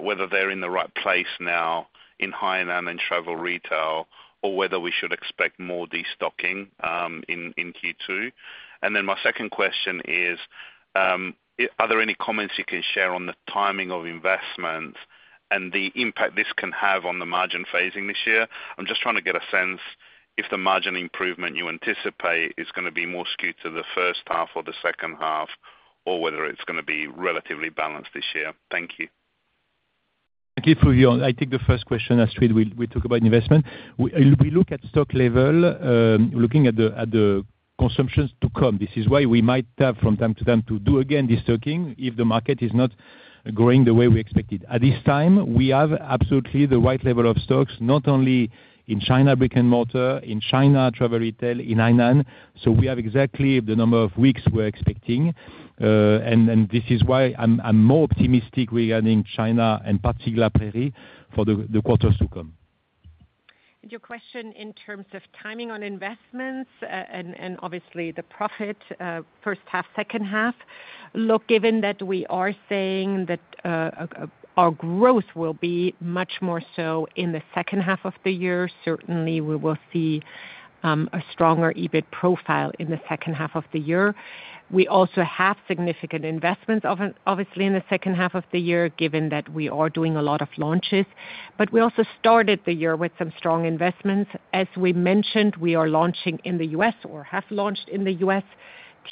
whether they're in the right place now in higher-end and travel retail, or whether we should expect more destocking in Q2. My second question is, are there any comments you can share on the timing of investment and the impact this can have on the margin phasing this year? I'm just trying to get a sense if the margin improvement you anticipate is going to be more skewed to the first half or the second half, or whether it's going to be relatively balanced this year. Thank you. Thank you, Fulvio. I take the first question, Astrid. We'll talk about investment. We look at stock level, looking at the consumption to come. This is why we might have from time to time to do again destocking if the market is not growing the way we expected. At this time, we have absolutely the right level of stocks, not only in China brick-and-mortar, in China Travel Retail, in Hainan. We have exactly the number of weeks we're expecting. This is why I'm more optimistic regarding China and particularly La Prairie for the quarters to come. Your question in terms of timing on investments and obviously the profit, first half, second half, look, given that we are saying that our growth will be much more so in the second half of the year, certainly we will see a stronger EBIT profile in the second half of the year. We also have significant investments, obviously, in the second half of the year, given that we are doing a lot of launches. We also started the year with some strong investments. As we mentioned, we are launching in the U.S. or have launched in the US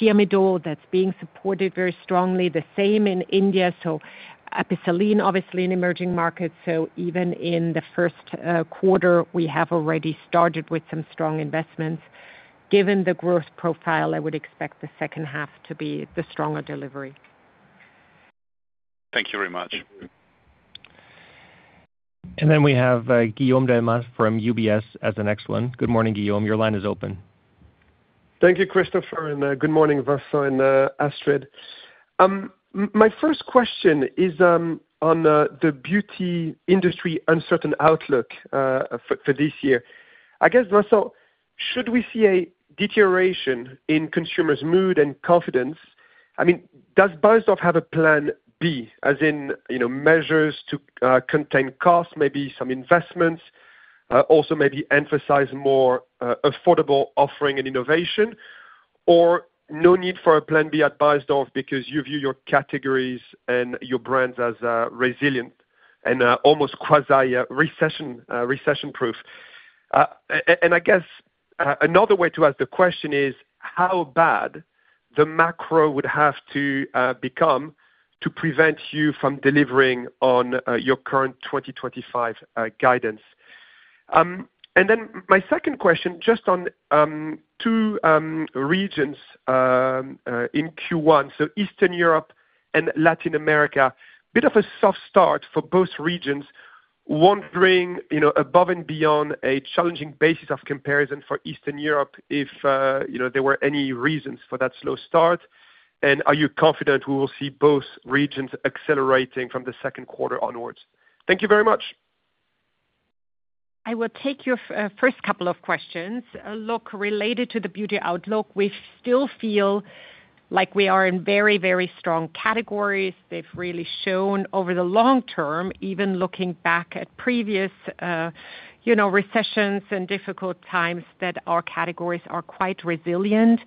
Thiamidol that's being supported very strongly. The same in India. So Epicelline, obviously an emerging market. Even in the first quarter, we have already started with some strong investments. Given the growth profile, I would expect the second half to be the stronger delivery. Thank you very much. We have Guillaume Delmas from UBS as the next one. Good morning, Guillaume. Your line is open. Thank you, Christopher, and good morning, Vincent and Astrid. My first question is on the beauty industry uncertain outlook for this year. I guess, Vincent, should we see a deterioration in consumers' mood and confidence? I mean, does Beiersdorf have a plan B, as in measures to contain costs, maybe some investments, also maybe emphasize more affordable offering and innovation, or no need for a plan B at Beiersdorf because you view your categories and your brands as resilient and almost quasi recession-proof? I guess another way to ask the question is how bad the macro would have to become to prevent you from delivering on your current 2025 guidance. My second question just on two regions in Q1, so Eastern Europe and Latin America. Bit of a soft start for both regions, wondering above and beyond a challenging basis of comparison for Eastern Europe if there were any reasons for that slow start. Are you confident we will see both regions accelerating from the second quarter onwards? Thank you very much. I will take your first couple of questions. Look, related to the beauty outlook, we still feel like we are in very, very strong categories. They have really shown over the long term, even looking back at previous recessions and difficult times, that our categories are quite resilient.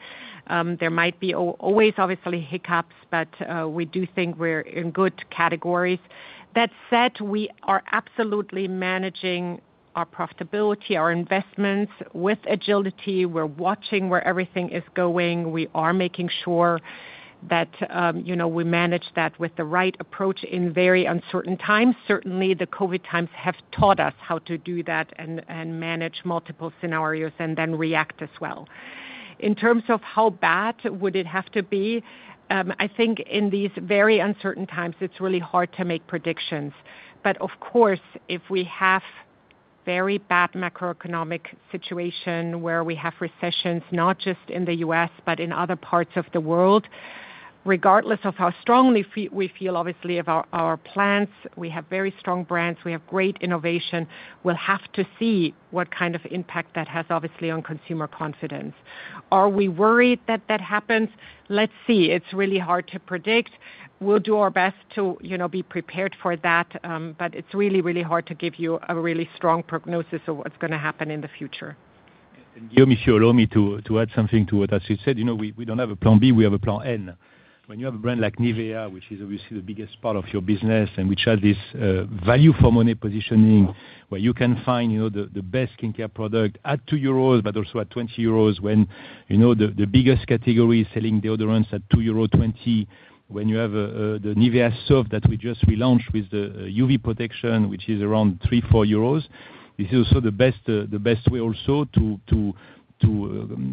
There might be always, obviously, hiccups, but we do think we're in good categories. That said, we are absolutely managing our profitability, our investments with agility. We're watching where everything is going. We are making sure that we manage that with the right approach in very uncertain times. Certainly, the COVID times have taught us how to do that and manage multiple scenarios and then react as well. In terms of how bad would it have to be, I think in these very uncertain times, it's really hard to make predictions. Of course, if we have a very bad macroeconomic situation where we have recessions, not just in the U.S., but in other parts of the world, regardless of how strongly we feel, obviously, of our plans, we have very strong brands, we have great innovation, we'll have to see what kind of impact that has, obviously, on consumer confidence. Are we worried that that happens? Let's see. It's really hard to predict. We'll do our best to be prepared for that, but it's really, really hard to give you a really strong prognosis of what's going to happen in the future. And Guillaume, if you allow me to add something to what Astrid said, we don't have a plan B, we have a plan N. When you have a brand like NIVEA, which is obviously the biggest part of your business and which has this value for money positioning where you can find the best skincare product at 2 euros, but also at 20 euros when the biggest category is selling deodorants at 2.20 euro, when you have the NIVEA soap that we just relaunched with the UV protection, which is around 3-4 euros. This is also the best way also to,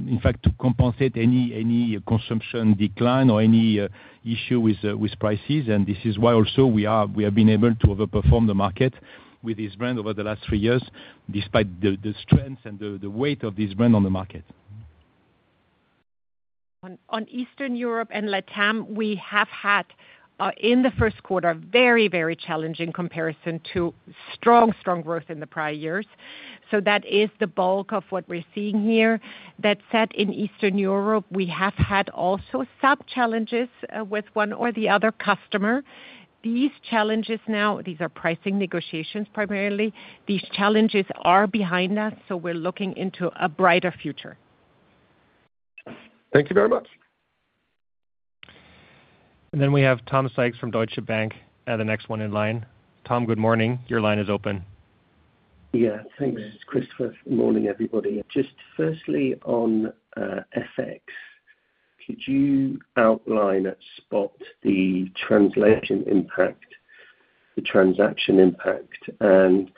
in fact, to compensate any consumption decline or any issue with prices. This is why also we have been able to overperform the market with this brand over the last three years, despite the strength and the weight of this brand on the market. On Eastern Europe and Latin America, we have had, in the first quarter, very, very challenging comparison to strong, strong growth in the prior years. That is the bulk of what we're seeing here. That said, in Eastern Europe, we have had also some challenges with one or the other customer. These challenges now, these are pricing negotiations primarily. These challenges are behind us, so we're looking into a brighter future. Thank you very much. We have Tom Sykes from Deutsche Bank, the next one in line. Tom, good morning. Your line is open. Yeah, thanks, Christopher. Good morning, everybody. Just firstly on FX, could you outline at spot the translation impact, the transaction impact, and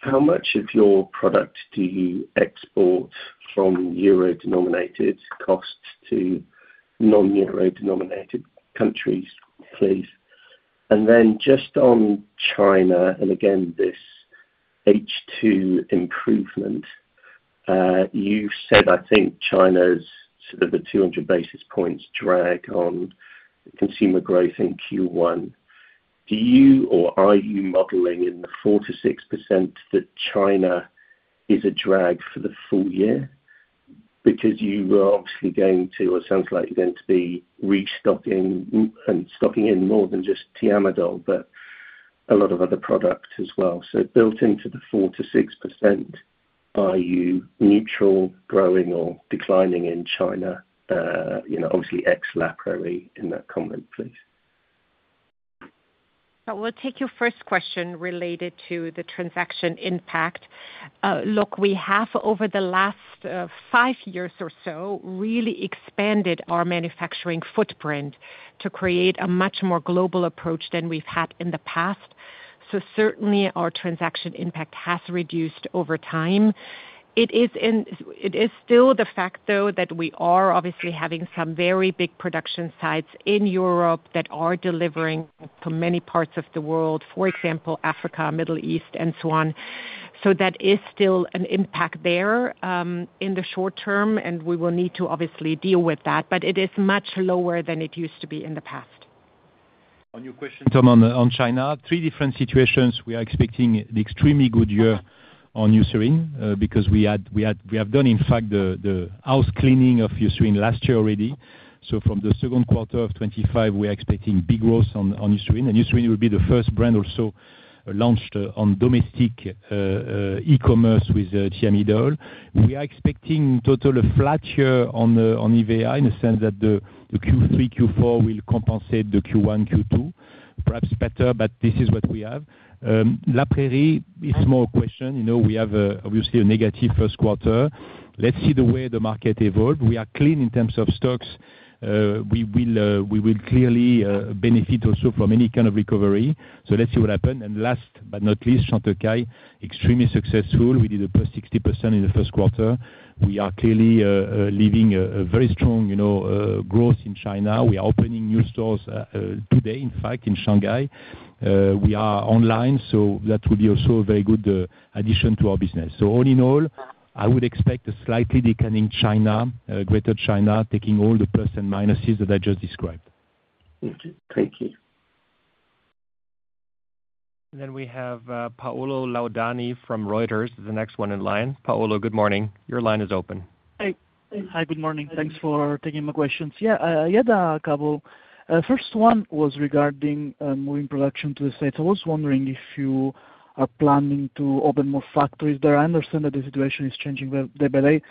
how much of your product do you export from euro-denominated costs to non-euro denominated countries, please? Just on China, and again, this H2 improvement, you said, I think, China's sort of the 200 basis points drag on consumer growth in Q1. Do you or are you modeling in the 4%-6% that China is a drag for the full year? Because you were obviously going to, or it sounds like you're going to be restocking and stocking in more than just Thiamidol, but a lot of other product as well. Built into the 4%-6%, are you neutral, growing, or declining in China? Obviously, ex-La Prairie in that comment, please. I will take your first question related to the transaction impact. Look, we have, over the last five years or so, really expanded our manufacturing footprint to create a much more global approach than we've had in the past. Certainly, our transaction impact has reduced over time. It is still the fact, though, that we are obviously having some very big production sites in Europe that are delivering to many parts of the world, for example, Africa, Middle East, and so on. That is still an impact there in the short term, and we will need to obviously deal with that, but it is much lower than it used to be in the past. On your question, Tom, on China, three different situations. We are expecting an extremely good year on Eucerin because we have done, in fact, the house cleaning of Eucerin last year already. From the second quarter of 2025, we are expecting big growth on Eucerin. Eucerin will be the first brand also launched on domestic e-commerce with Thiamidol. We are expecting a total flat year on NIVEA in the sense that the Q3, Q4 will compensate the Q1, Q2, perhaps better, but this is what we have. La Prairie, a small question. We have obviously a negative first quarter. Let's see the way the market evolved. We are clean in terms of stocks. We will clearly benefit also from any kind of recovery. Let's see what happens. Last but not least, Chantecaille, extremely successful. We did a plus 60% in the first quarter. We are clearly leaving a very strong growth in China. We are opening new stores today, in fact, in Shanghai. We are online, so that will be also a very good addition to our business. All in all, I would expect a slightly declining China, greater China, taking all the plus and minuses that I just described. Thank you. We have Paolo Laudani from Reuters, the next one in line. Paolo, good morning. Your line is open. Hi, good morning. Thanks for taking my questions. Yeah, I had a couple. First one was regarding moving production to the U.S. I was wondering if you are planning to open more factories. I understand that the situation is changing day by day,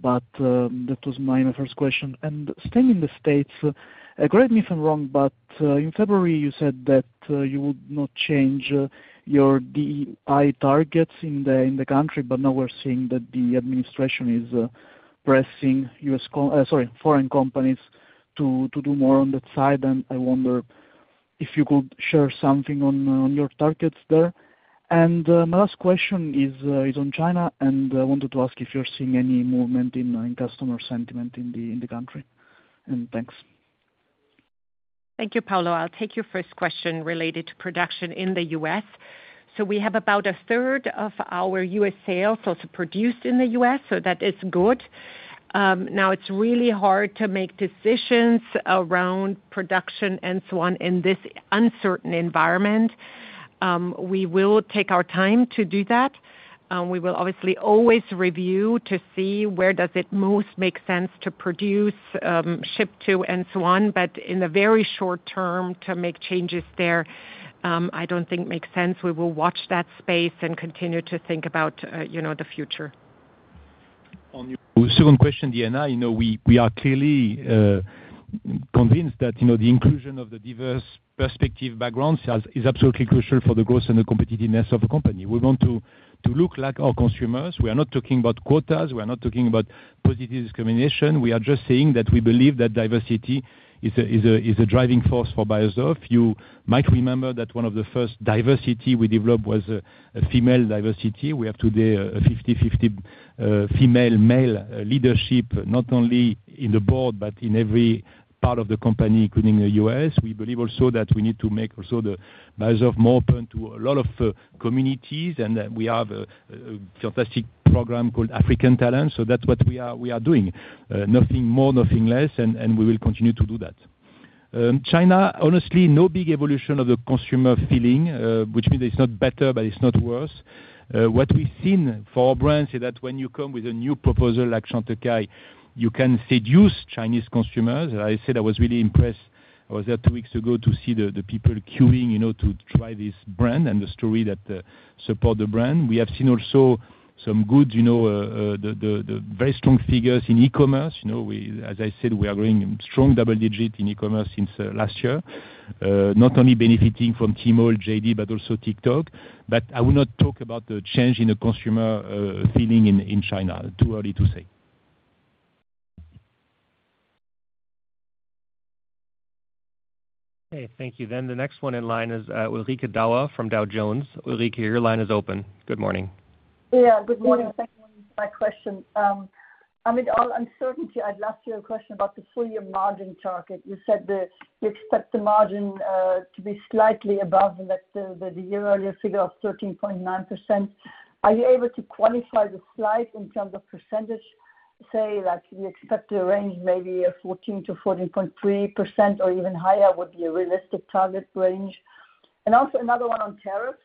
but that was my first question. Staying in the U.S., correct me if I'm wrong, but in February, you said that you would not change your DEI targets in the country, but now we're seeing that the administration is pressing U.S., sorry, foreign companies to do more on that side. I wonder if you could share something on your targets there. My last question is on China, and I wanted to ask if you're seeing any movement in customer sentiment in the country. Thank you, Paolo. I'll take your first question related to production in the U.S. We have about a third of our U.S. .sales also produced in the U.S., so that is good. Now, it's really hard to make decisions around production and so on in this uncertain environment. We will take our time to do that. We will obviously always review to see where does it most make sense to produce, ship to, and so on. In the very short term, to make changes there, I don't think makes sense. We will watch that space and continue to think about the future. On your second question, Diana, we are clearly convinced that the inclusion of the diverse perspective backgrounds is absolutely crucial for the growth and the competitiveness of a company. We want to look like our consumers. We are not talking about quotas. We are not talking about positive discrimination. We are just saying that we believe that diversity is a driving force for Beiersdorf. You might remember that one of the first diversity we developed was a female diversity. We have today a 50-50 female-male leadership, not only in the board, but in every part of the company, including the U.S. We believe also that we need to make also the Beiersdorf more open to a lot of communities, and we have a fantastic program called African Talent. That is what we are doing. Nothing more, nothing less, and we will continue to do that. China, honestly, no big evolution of the consumer feeling, which means it is not better, but it is not worse. What we have seen for our brands is that when you come with a new proposal like Chantecaille, you can seduce Chinese consumers. As I said, I was really impressed. I was there two weeks ago to see the people queuing to try this brand and the story that supports the brand. We have seen also some good, very strong figures in e-commerce. As I said, we are growing strong double digit in e-commerce since last year, not only benefiting from Tmall, JD, but also TikTok. I will not talk about the change in the consumer feeling in China. Too early to say. Okay, thank you. The next one in line is Ulrike Dauer from Dow Jones. Ulrike, your line is open. Good morning. Yeah, good morning. Thank you for my question. I mean, on uncertainty, I'd love to hear a question about the full year margin target. You said you expect the margin to be slightly above the year-year figure of 13.9%. Are you able to quantify the slide in terms of percentage? Say that you expect a range maybe of 14%-14.3% or even higher would be a realistic target range. Also, another one on tariffs.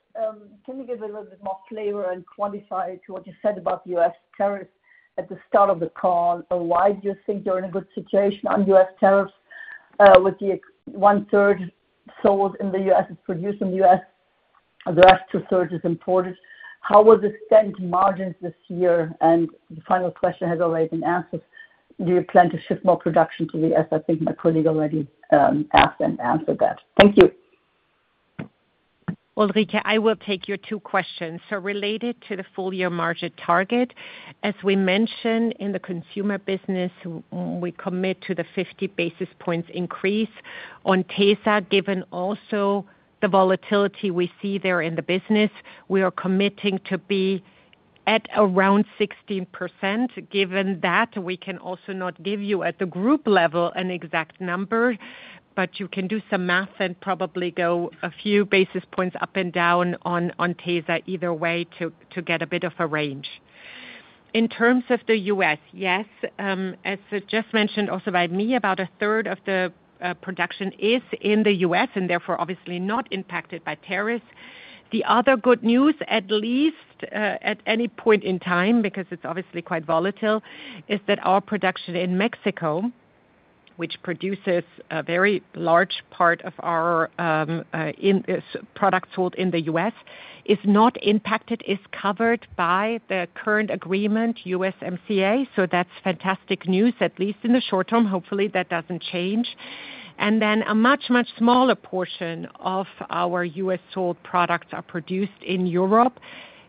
Can you give a little bit more flavor and quantify to what you said about the U.S. tariffs at the start of the call? Why do you think you're in a good situation on U.S. tariffs with the 1/3 sold in the U.S. is produced in the U.S., the last 2/3 is imported? How will this dent margins this year? The final question has already been answered. Do you plan to shift more production to the U.S.? I think my colleague already asked and answered that. Thank you. Ulrike, I will take your two questions. Related to the full year margin target, as we mentioned in the consumer business, we commit to the 50 basis points increase on Tesa. Given also the volatility we see there in the business, we are committing to be at around 16%. Given that, we can also not give you at the group level an exact number, but you can do some math and probably go a few basis points up and down on Tesa either way to get a bit of a range. In terms of the U.S., yes, as just mentioned also by me, about a third of the production is in the U.S. and therefore obviously not impacted by tariffs. The other good news, at least at any point in time, because it's obviously quite volatile, is that our production in Mexico, which produces a very large part of our products sold in the U.S., is not impacted, is covered by the current agreement, USMCA. That's fantastic news, at least in the short term. Hopefully, that doesn't change. A much, much smaller portion of our U.S. sold products are produced in Europe.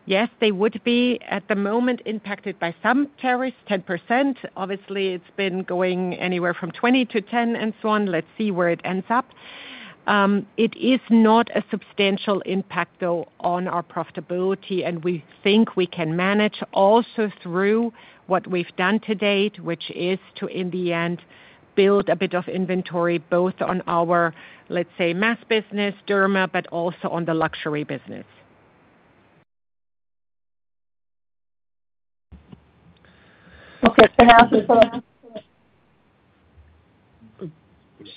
Yes, they would be at the moment impacted by some tariffs, 10%. Obviously, it's been going anywhere from 20% to 10% and so on. Let's see where it ends up. It is not a substantial impact, though, on our profitability, and we think we can manage also through what we've done to date, which is to, in the end, build a bit of inventory both on our, let's say, mass business, derma, but also on the luxury business. Okay, can I ask you something?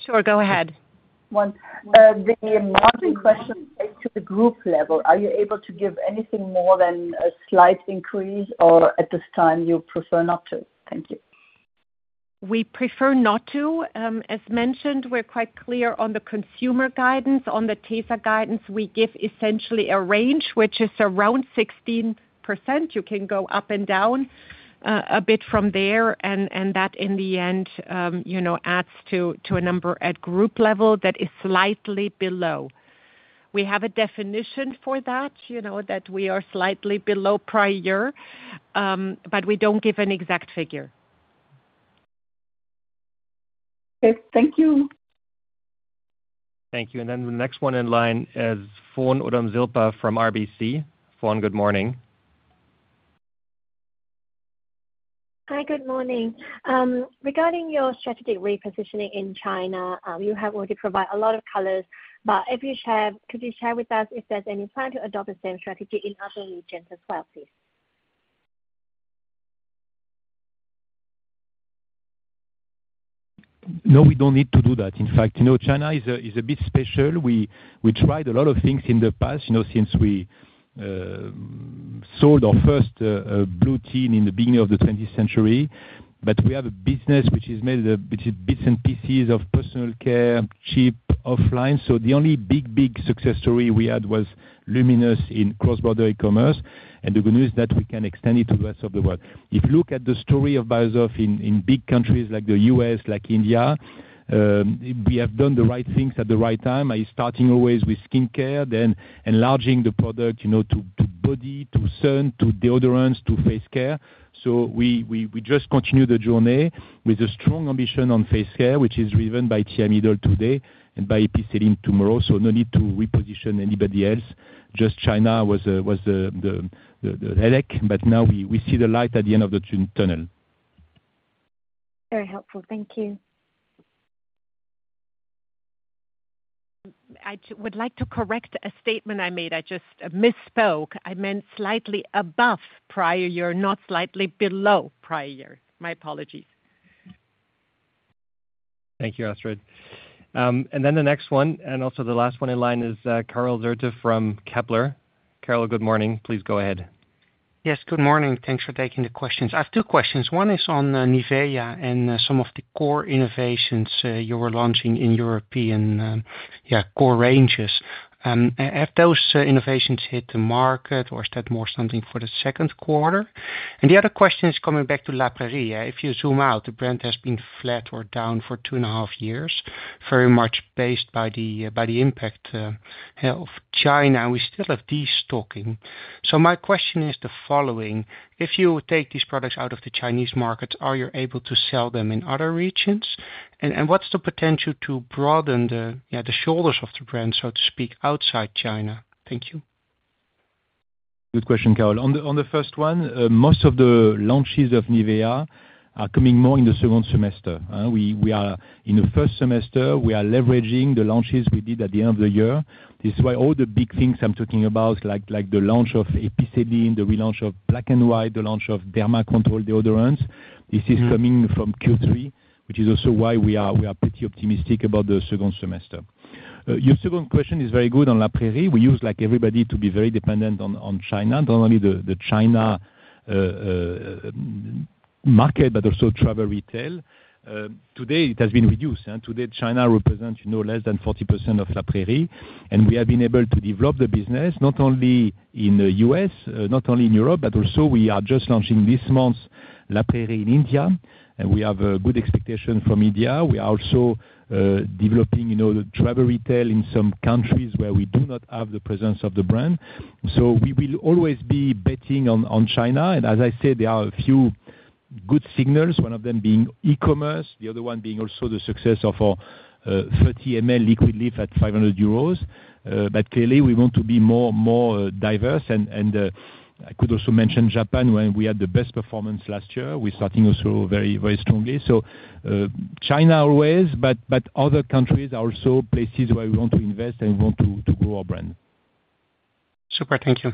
Sure, go ahead. The margin question is to the group level. Are you able to give anything more than a slight increase, or at this time, you prefer not to? Thank you. We prefer not to. As mentioned, we're quite clear on the consumer guidance. On the Tesa guidance, we give essentially a range, which is around 16%. You can go up and down a bit from there, and that, in the end, adds to a number at group level that is slightly below. We have a definition for that, that we are slightly below prior year, but we do not give an exact figure. Okay, thank you. Thank you. The next one in line is Fawn Odom Zuba from RBC. Fawn, good morning. Hi, good morning. Regarding your strategic repositioning in China, you have already provided a lot of colors, but could you share with us if there is any plan to adopt the same strategy in other regions as well, please? No, we do not need to do that. In fact, China is a bit special. We tried a lot of things in the past since we sold our first blue tin in the beginning of the 20th century, but we have a business which is made of bits and pieces of personal care, cheap, offline. The only big, big success story we had was Luminous in cross-border e-commerce. The good news is that we can extend it to the rest of the world. If you look at the story of Beiersdorf in big countries like the U.S., like India, we have done the right things at the right time. I starting always with skincare, then enlarging the product to body, to sun, to deodorants, to face care. We just continue the journey with a strong ambition on face care, which is driven by Thiamidol today and by Eucerin tomorrow. No need to reposition anybody else. Just China was the headache, but now we see the light at the end of the tunnel. Very helpful. Thank you. I would like to correct a statement I made. I just misspoke. I meant slightly above prior year, not slightly below prior year. My apologies. Thank you, Astrid. The next one, and also the last one in line, is Karel Zoete from Kepler. Carol, good morning. Please go ahead. Yes, good morning. Thanks for taking the questions. I have two questions. One is on NIVEA and some of the core innovations you were launching in European core ranges. Have those innovations hit the market, or is that more something for the second quarter? The other question is coming back to La Prairie. If you zoom out, the brand has been flat or down for two and a half years, very much based on the impact of China, and we still have destocking. My question is the following. If you take these products out of the Chinese market, are you able to sell them in other regions? What is the potential to broaden the shoulders of the brand, so to speak, outside China? Thank you. Good question, Carol. On the first one, most of the launches of NIVEA are coming more in the second semester. In the first semester, we are leveraging the launches we did at the end of the year. This is why all the big things I'm talking about, like the launch of Eucerin, the relaunch of Black and White, the launch of Derma Control deodorants, this is coming from Q3, which is also why we are pretty optimistic about the second semester. Your second question is very good on La Prairie. We used to be very dependent on China, not only the China market, but also travel retail. Today, it has been reduced. Today, China represents less than 40% of La Prairie, and we have been able to develop the business not only in the U.S., not only in Europe, but also we are just launching this month La Prairie in India, and we have good expectations from India. We are also developing travel retail in some countries where we do not have the presence of the brand. We will always be betting on China. As I said, there are a few good signals, one of them being e-commerce, the other one being also the success of our 30 ml Liquid Lift at 500 euros. Clearly, we want to be more diverse. I could also mention Japan when we had the best performance last year. We are starting also very strongly. China always, but other countries are also places where we want to invest and we want to grow our brand. Super. Thank you.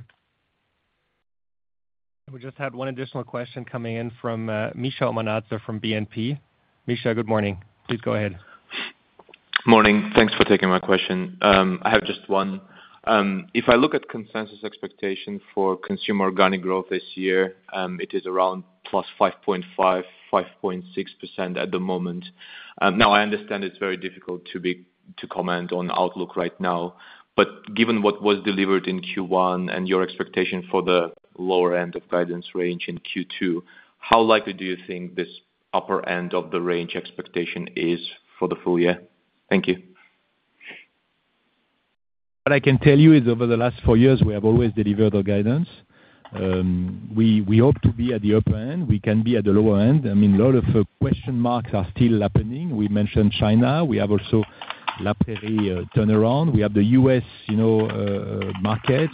We just had one additional question coming in from Mikheil Omanadze from BNP. Mikheil, good morning. Please go ahead. Morning. Thanks for taking my question.I have just one. If I look at consensus expectation for consumer organic growth this year, it is around +5.5%-5.6% at the moment. Now, I understand it's very difficult to comment on outlook right now, but given what was delivered in Q1 and your expectation for the lower end of guidance range in Q2, how likely do you think this upper end of the range expectation is for the full year? Thank you. What I can tell you is over the last four years, we have always delivered our guidance. We hope to be at the upper end. We can be at the lower end. I mean, a lot of question marks are still happening. We mentioned China. We have also La Prairie turnaround. We have the U.S. market.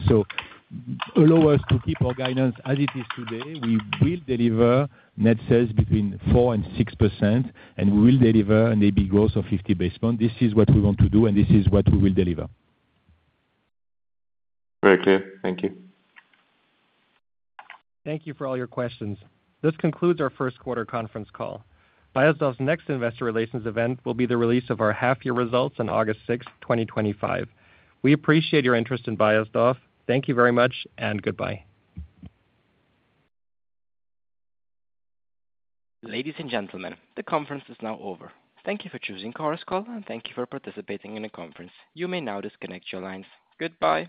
Allow us to keep our guidance as it is today. We will deliver net sales between 4% and 6%, and we will deliver a big growth of 50 basis points. This is what we want to do, and this is what we will deliver. Very clear. Thank you. Thank you for all your questions. This concludes our first quarter conference call. Beiersdorf's next investor relations event will be the release of our half-year results on August 6, 2025. We appreciate your interest in Beiersdorf. Thank you very much, and goodbye. Ladies and gentlemen, the conference is now over. Thank you for choosing Chorus Call, and thank you for participating in the conference. You may now disconnect your lines. Goodbye.